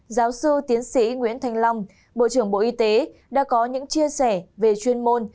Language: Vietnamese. giáo sư tiến sĩ nguyễn thanh long bộ trưởng bộ y tế đã có những chia sẻ về chuyên môn